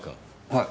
はい。